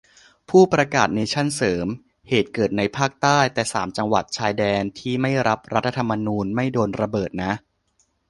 ผู้ประกาศเนชั่นเสริม เหตุเกิดในภาคใต้ แต่สามจังหวัดชายแดนที่ไม่รับรัฐธรรมนูญไม่โดนระเบิดนะ